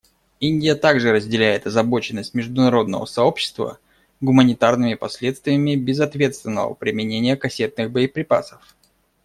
Индия также разделяет озабоченность международного сообщества гуманитарными последствиями безответственного применения кассетных боеприпасов.